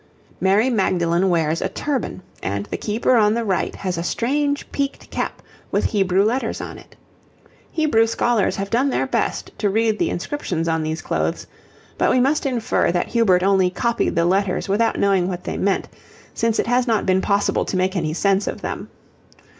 Mary Magdalen wears a turban, and the keeper on the right has a strange peaked cap with Hebrew letters on it. Hebrew scholars have done their best to read the inscriptions on these clothes, but we must infer that Hubert only copied the letters without knowing what they meant, since it has not been possible to make any sense of them.